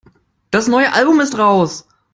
Das neue Album ist raus.